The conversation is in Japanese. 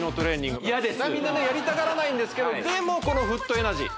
みんなねやりたがらないんですけどでもこのフットエナジー